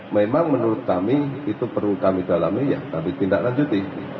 memang menurut kami itu perlu kami dalami ya kami tindak lanjuti